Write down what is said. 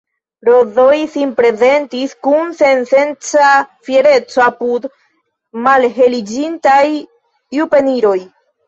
Rozoj sinprezentis kun sensenca fiereco apud malheliĝintaj juniperoj.